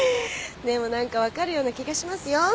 でも何か分かるような気がしますよ。